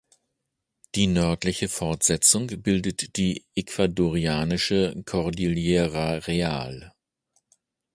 Die nördliche Fortsetzung bildet die ecuadorianische Cordillera Real.